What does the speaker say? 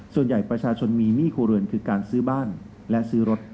ส่วนใหญ่ประชาชนมีหนี้ครัวเรือนคือการซื้อบ้านและซื้อรถ